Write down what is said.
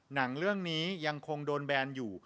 หนังเรื่องนี้ยังคงโดนแบนอยู่